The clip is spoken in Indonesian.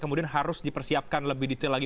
kemudian harus dipersiapkan lebih detail lagi